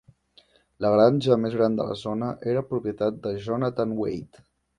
La granja més gran de la zona era propietat de Jonathan Wade.